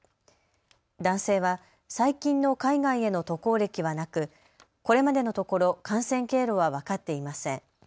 男性は最近の海外への渡航歴はなく、これまでのところ、感染経路は分かっていません。